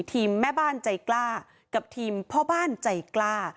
แม่บ้านใจกล้ากับทีมพ่อบ้านใจกล้า